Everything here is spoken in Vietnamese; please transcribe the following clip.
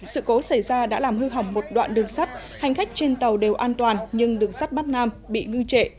sự cố xảy ra đã làm hư hỏng một đoạn đường sắt hành khách trên tàu đều an toàn nhưng đường sắt bắc nam bị ngư trệ